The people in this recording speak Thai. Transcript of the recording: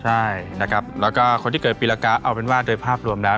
ใช่นะครับแล้วก็คนที่เกิดปีละกะเอาเป็นว่าโดยภาพรวมแล้ว